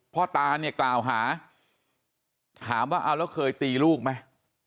พ่อตาเนี่ยกล่าวหาถามว่าเอาแล้วเคยตีลูกไหม